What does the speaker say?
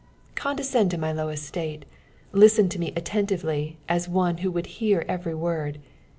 '" Condescend to my low eatatc ; listen to me attentively as one who would hear every word.